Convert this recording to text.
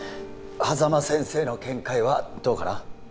波佐間先生の見解はどうかな？